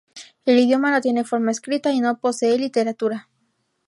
El idioma no tiene forma escrita y no posee literatura.